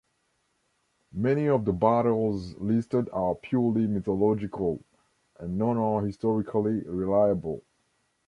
Many of the battles listed are purely mythological, and none are historically reliable.